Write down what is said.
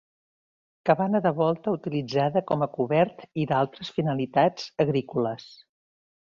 Cabana de volta utilitzada com a cobert i d'altres finalitats agrícoles.